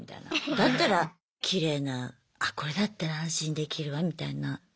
だったらきれいなあこれだったら安心できるわみたいな。